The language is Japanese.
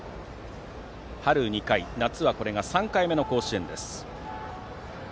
春２回、夏は３回目の甲子園です。